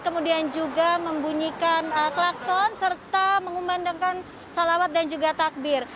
kemudian juga membunyikan klakson serta mengumandangkan salawat dan juga takbir